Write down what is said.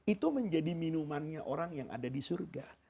itu menjadi minumannya orang yang ada di surga